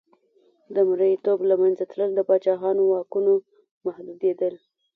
د مریتوب له منځه تلل د پاچاهانو واکونو محدودېدل.